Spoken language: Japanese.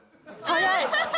早い。